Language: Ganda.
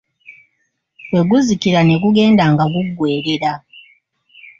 Bwe guzikira ne gugenda nga guggwerera.